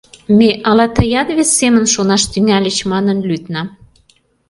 Ме ала тыят вес семын шонаш тӱҥальыч манын лӱдна.